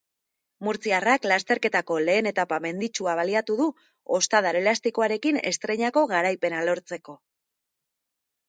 Murtziarrak lasterketako lehen etapa menditsua baliatu du ostadar elastikoarekin estreinako garaipena lortzeko.